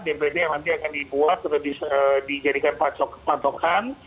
dpd yang nanti akan dibuat atau dijadikan patokan